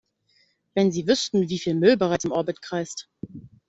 Wenn Sie wüssten, wie viel Müll bereits im Orbit kreist!